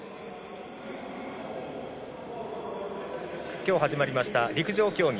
今日始まりました陸上競技。